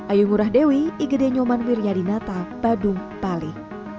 ayu ngurah dewi igede nyoman wiryadinata badung bali